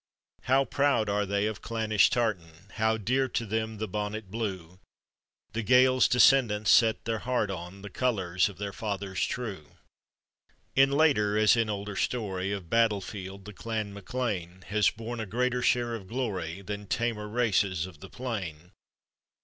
How proud are they of clannish tartan ! How dear to them the bonnet blue! The Gaels' descendants set their heart on The colors of their fathers true. In later, as in older story Of battle Held, the Clan MacLean Has borne a greater share of glory Than tamer races of the plain.